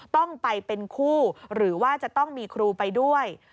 ต้องไปเป็นคู่หรือว่าจะต้องมีครูไปด้วย